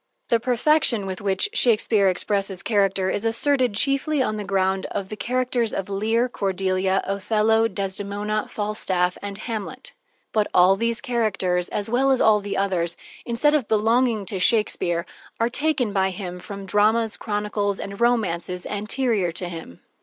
The perfection with which Shakespeare expresses character is asserted chiefly on the ground of the characters of Lear, Cordelia, Othello, Desdemona, Falstaff, and Hamlet. But all these characters, as well as all the others, instead of belonging to Shakespeare, are taken by him from dramas, chronicles, and romances anterior to him.